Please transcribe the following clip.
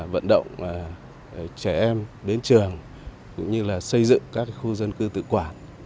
vận động trẻ em đến trường cũng như là xây dựng các khu dân cư tự quản